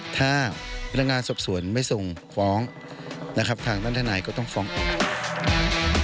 ถ้าพนักงานสอบสวนไม่ส่งฟ้องนะครับทางด้านทนายก็ต้องฟ้องออก